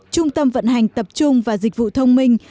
trung tâm vận hành tập trung và dịch vụ thông minh